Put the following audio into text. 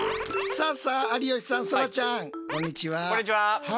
さあさあ有吉さんそらちゃんこんにちは。